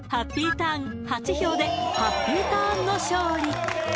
ターン８票でハッピーターンの勝利！